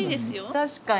確かに。